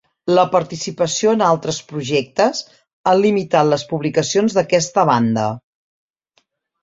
La participació en altres projectes han limitat les publicacions d'aquesta banda.